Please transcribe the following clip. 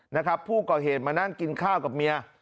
นะครับผู้ก่อเหตุมานั่งกินข้าวกับเมีย